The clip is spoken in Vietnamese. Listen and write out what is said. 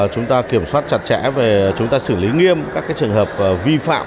chúng ta kiểm soát chặt chẽ về chúng ta xử lý nghiêm các cái trường hợp vi phạm pháp luật về vấn đề sở hữu trí tuệ